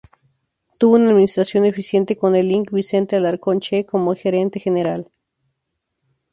Tuvo una administración eficiente con el Ing. Vicente Alarcón Ch. como Gerente General.